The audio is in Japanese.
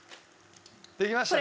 できましたか？